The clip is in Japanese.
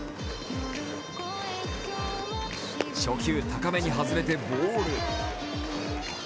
初球高めに外れてボール。